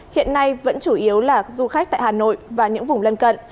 hiện nay vẫn chủ yếu là du khách tại hà nội và những vùng lân cận